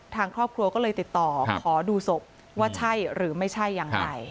ทางครอบครัวก็เลยติดต่อขอดูศพว่าใช่หรือไม่ใช่อย่างไร